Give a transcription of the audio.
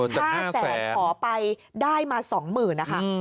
ถ้าแสนขอไปได้มา๒๐๐๐๐บาท